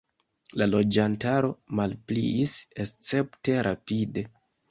La loĝantaro malpliis escepte rapide.